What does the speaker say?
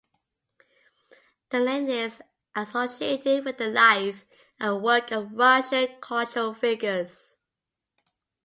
The lane is associated with the life and work of Russian cultural figures.